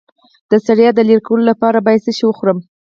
د ستړیا د لرې کولو لپاره باید څه شی وخورم؟